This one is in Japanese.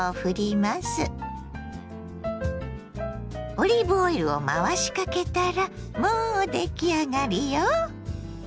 オリーブオイルを回しかけたらもう出来上がりよ。